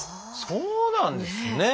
そうなんですね。